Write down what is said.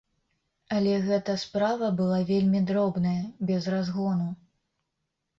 Але гэта справа была вельмі дробная, без разгону.